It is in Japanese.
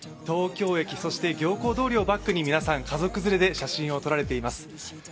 東京駅、そして行幸通りをバックに皆さん家族連れで写真を撮られています。